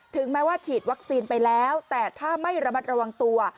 แม้ว่าฉีดวัคซีนไปแล้วแต่ถ้าไม่ระมัดระวังตัว